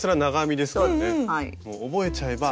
もう覚えちゃえば。